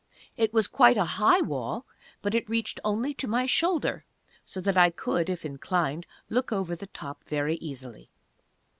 It was quite a high wall, but it reached only to my shoulder, so that I could, if inclined, look over the top very easily.